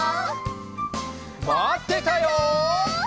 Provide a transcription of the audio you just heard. まってたよ！